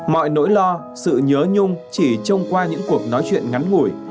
mọi nỗi lo sự nhớ nhung chỉ trông qua những cuộc nói chuyện ngắn ngủi